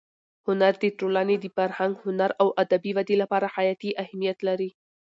هنر د ټولنې د فرهنګ، هنر او ادبي ودې لپاره حیاتي اهمیت لري.